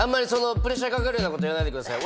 プレッシャーかかるようなこと言わないでください。